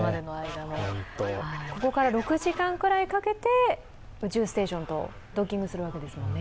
ここから６時間くらいかけて宇宙ステーションとドッキングするわけですね。